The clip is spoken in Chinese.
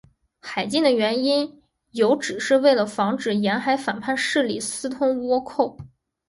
海禁的原因有指是为了防止沿海反叛势力私通倭寇。